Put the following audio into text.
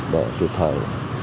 để kịp thời